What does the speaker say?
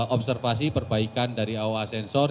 observasi perbaikan dari aoa sensor